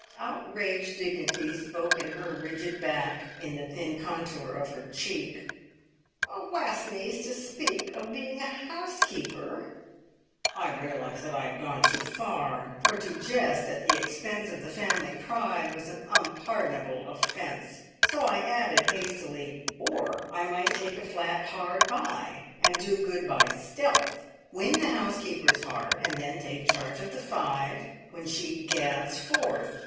Outraged dignity spoke in her rigid back, in the thin contour of her cheek. "A Wastneys to speak of being a housekeeper!" I realised that I had gone too far, for to jest at the expense of the family pride was an unpardonable offence, so I added hastily: "Or I might take a flat hard by, and do good by stealth! Win the housekeeper's heart, and then take charge of the five when she gads forth.